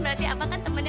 berarti apa kan temannya